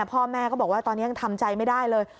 พ่อแม่ก็บอกว่าตอนนี้ยังทำใจไม่ได้เลย